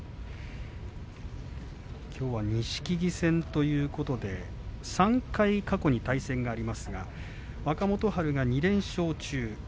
きょうは錦木戦ということで３回過去に対戦がありますが若元春が２連勝中。